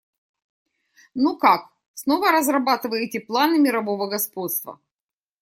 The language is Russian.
Ну как, снова разрабатываете планы мирового господства?